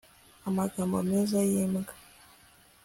amagambo meza yimbwa